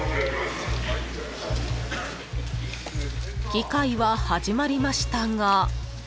［議会は始まりましたが］